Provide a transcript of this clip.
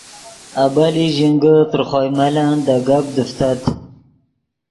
آبیلی ژینگے تر خوئے ملن دے گپ دیفتت